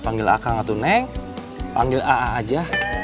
panggil akang atau neng panggil a a aja